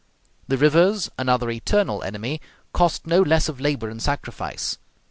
The rivers, another eternal enemy, cost no less of labor and sacrifice.